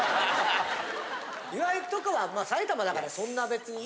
岩井とかはまあ埼玉だからそんな別にね。